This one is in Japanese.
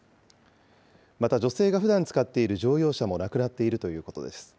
また、女性がふだん使っている乗用車もなくなっているということです。